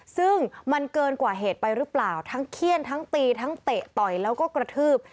ซึ่งมันเกินกว่าเหตุไปหรือเปล่าทั้งเขี้ยนทั้งตีทั้งเตะต่อยแล้วก็กระทืบ